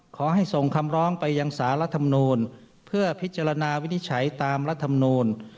ขอให้ส่งคำร้องไปยังสารรัฐมนูลเพื่อพิจารณาวินิจฉัยตามรัฐมนูล